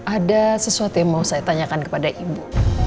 ada sesuatu yang mau saya tanyakan kepada ibu